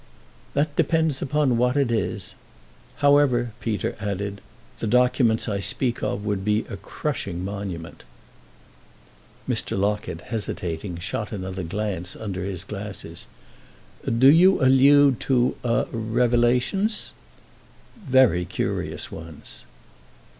"That depends upon what it is. However," Peter added, "the documents I speak of would be a crushing monument." Mr. Locket, hesitating, shot another glance under his glasses. "Do you allude to—a—revelations?" "Very curious ones."